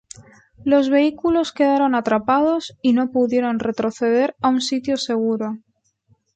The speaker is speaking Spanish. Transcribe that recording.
Los vehículos quedaron atrapados y no pudieron retroceder a un sitio seguro.